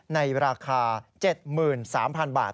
ในราคา๗๓๐๐๐บาท